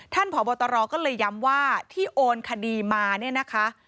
ท่านพบก็เลยย้ำว่าที่โอนคดีมานี่นะคะ